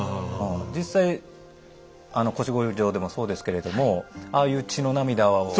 実際あの腰越状でもそうですけれどもああいう血の涙を。